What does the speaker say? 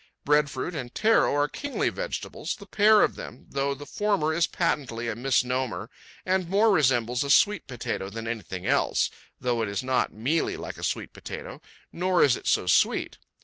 Breadfruit and taro are kingly vegetables, the pair of them, though the former is patently a misnomer and more resembles a sweet potato than anything else, though it is not mealy like a sweet potato, nor is it so sweet.